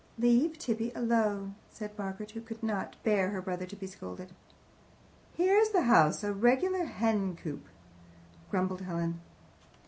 "Leave Tibby alone!" said Margaret, who could not bear her brother to be scolded. "Here's the house a regular hen coop!" grumbled Helen.